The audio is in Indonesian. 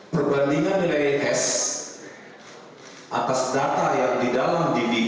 perbandingan lns atas data yang didalam data ini